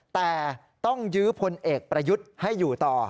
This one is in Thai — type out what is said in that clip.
แต่ต้องยื้อพลเอกประยุทธ์ให้อยู่ต่อ